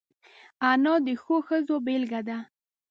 انا د ښو ښځو بېلګه ده